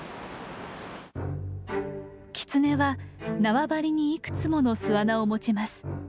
キツネは縄張りにいくつもの巣穴を持ちます。